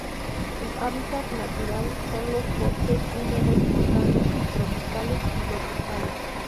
Su hábitat natural son los bosques húmedos montanos subtropicales y tropicales.